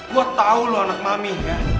gue tau lo anak mami ya